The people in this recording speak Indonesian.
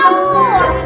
kalo asuh tau